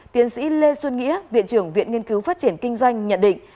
tiến sĩ lê xuân nghĩa viện trưởng viện nghiên cứu phát triển kinh doanh nhận định